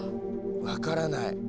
分からない。